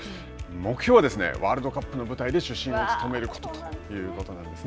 目標はワールドカップの舞台で主審を務めることだといいます。